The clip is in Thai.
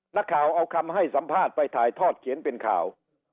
นักข่าวเอาคำให้สัมภาษณ์ไปถ่ายทอดเขียนเป็นข่าว